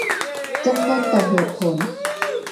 จำนนต่อเหตุผล